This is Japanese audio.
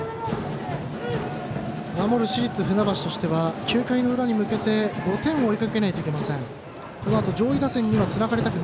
守る市立船橋としては９回の裏に向けて５点を追いかけなければいけません。